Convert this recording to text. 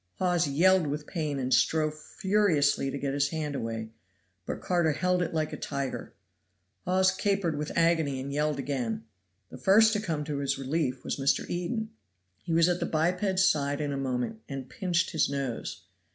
Hawes yelled with pain and strove furiously to get his hand away, but Carter held it like a tiger. Hawes capered with agony and yelled again. The first to come to his relief was Mr. Eden. He was at the biped's side in a moment, and pinched his nose.